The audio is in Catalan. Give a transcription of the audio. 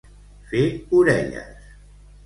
Fer orelles.